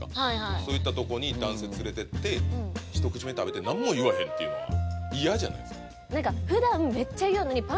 そういったとこに男性連れてってひと口目食べて何も言わへんっていうのは嫌じゃないですか？